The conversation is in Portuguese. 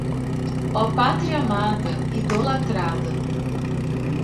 Ó Pátria amada, idolatrada